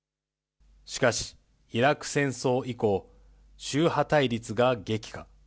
しかし、イラク戦争以降、宗派対立が激化。